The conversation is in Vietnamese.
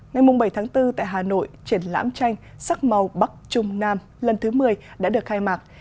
ngày bảy tháng bốn tại hà nội triển lãm tranh sắc màu bắc trung nam lần thứ một mươi đã được khai mạc